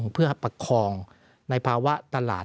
เพื่อประคองในภาวะตลาด